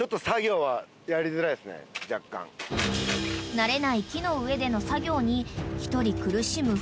［慣れない木の上での作業に一人苦しむ古山］